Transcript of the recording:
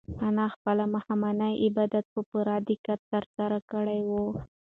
انا خپل ماښامنی عبادت په پوره دقت ترسره کړی و.